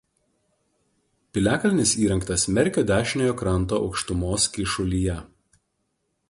Piliakalnis įrengtas Merkio dešiniojo kranto aukštumos kyšulyje.